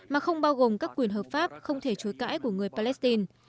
mà không bao gồm các quyền hợp pháp không thể chối cãi của người palestine